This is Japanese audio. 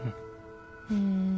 うん。